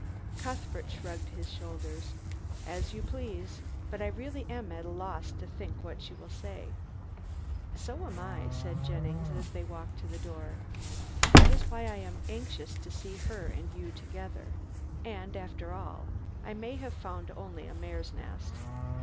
Cuthbert shrugged his shoulders. "As you please. But I really am at a loss to think what she will say." "So am I," said Jennings, as they walked to the door. "That is why I am anxious to see her and you together. And, after all, I may have found only a mare's nest."